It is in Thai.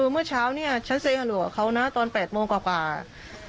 เมื่อเช้าเนี่ยฉันเซฮารัวเขานะตอน๘โมงกว่า